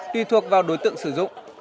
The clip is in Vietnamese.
tuy thuộc vào đối tượng sử dụng